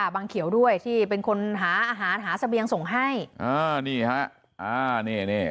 เขียวด้วยที่เป็นคนหาอาหารหาเสบียงส่งให้อ่านี่ฮะอ่านี่นี่